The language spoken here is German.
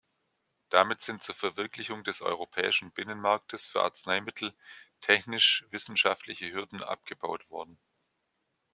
Damit sind zur Verwirklichung des Europäischen Binnenmarktes für Arzneimittel technisch-wissenschaftliche Hürden abgebaut worden.